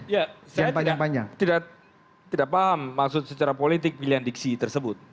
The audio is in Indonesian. ya saya tidak paham maksud secara politik pilihan diksi tersebut